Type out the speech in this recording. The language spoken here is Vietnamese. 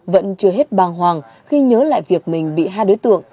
vẫn chưa hết bàng hoàng khi nhớ lại việc mình bị hai đối tượng